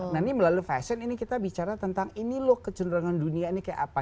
nah ini melalui fashion ini kita bicara tentang ini loh kecenderungan dunia ini kayak apa